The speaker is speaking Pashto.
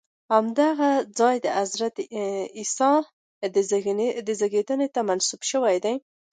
همدغه ځای د عیسی علیه السلام زېږېدنې ته منسوب شوی دی.